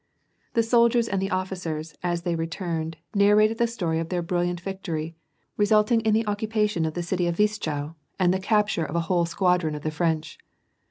The soldiers and the officers, as they returned, narrated the story of their brilliant victory, resulting in the occupation of the city of Wischau, and the capture of a whole squadron of the French.